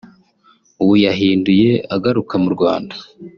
ubu yahinduye agaruka mu Rwanda